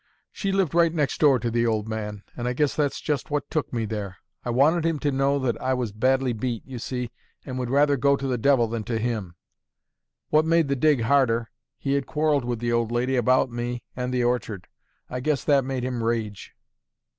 She lived right next door to the old man, and I guess that's just what took me there. I wanted him to know that I was badly beat, you see, and would rather go to the devil than to him. What made the dig harder, he had quarrelled with the old lady about me and the orchard: I guess that made him rage.